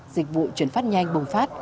dịch vụ chuyển phát nhanh bùng phát